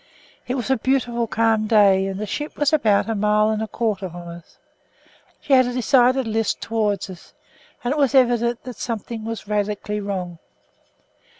It was a beautifully calm day, and the ship was about a mile and a quarter from us; she had a decided list towards us, and it was evident that something was radically wrong.